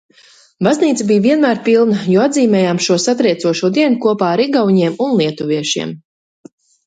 Baznīca bija vienmēr pilna, jo atzīmējām šo satriecošo dienu kopā ar igauņiem un lietuviešiem.